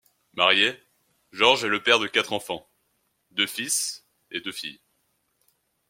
Marié, George est père de quatre enfants, deux fils et deux filles.